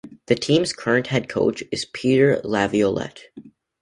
The team's current head coach is Peter Laviolette.